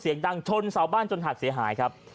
เสียงดังชนเสาบ้านจนหักเสียหายครับ